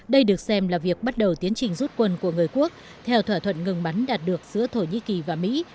đây được xem là việc bắt đầu tiến trình rút quân của người quốc theo thỏa thuận ngừng bắn đạt được giữa thổ nhĩ kỳ và mỹ